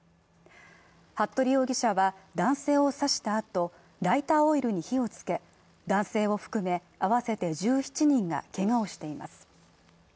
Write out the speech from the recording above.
服部容疑者は、男性を刺したあとライターオイルに火をつけ、男性を含め合わせて１７人がけがをしています。